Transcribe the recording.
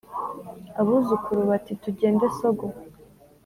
abuzukuru bati tugende sogo